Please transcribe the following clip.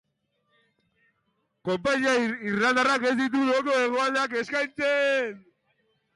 Konpainia irlandarrak ez ditu doako hegaldiak eskaintzen.